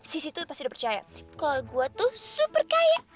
sisi tuh pasti udah percaya kalo gua tuh super kaya